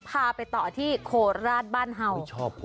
พาไปต่อที่โคราชบ้านเห่า